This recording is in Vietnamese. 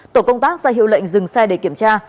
tổ công tác ra hiệu lệnh dừng xe để kiểm tra